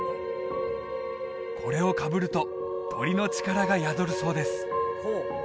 これをかぶると鳥の力が宿るそうです